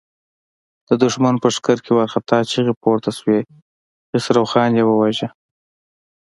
د دښمن په لښکر کې وارخطا چيغې پورته شوې: خسرو خان يې وواژه!